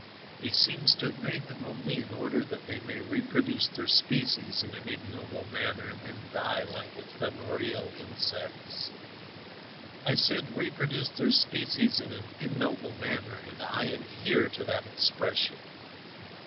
He seems to have made them only in order that they may reproduce their species in an ignoble manner and then die like ephemeral insects. I said reproduce their species in an ignoble manner and I adhere to that expression.